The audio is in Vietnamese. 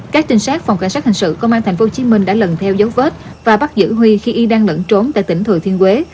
các trinh sát phòng cảnh sát hình sự công an tp hcm đã lần theo dấu vết và bắt giữ huy khi y đang lẫn trốn tại tỉnh thừa thiên huế